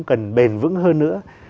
cần bền vững hơn nữa